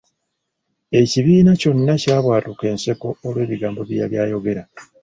Ekibiina kyonna kyabwatuka enseko olw'ebigambo byeyali ayogera.